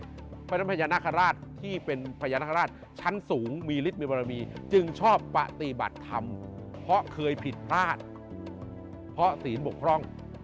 เพราะฉะนั้นพญานาคาราชที่เป็นพญานาคาราชชั้นสูงมีฤทธิมีบรมีจึงชอบปฏิบัติธรรมเพราะเคยผิดพลาดเพราะศีลบกพร่อง